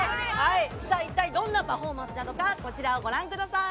さあ、一体、どんなパフォーマンスなのか、こちらをご覧ください。